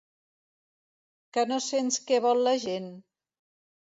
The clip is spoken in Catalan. Que no sents què vol la gent?